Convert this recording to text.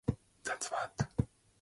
That's what intrigues me.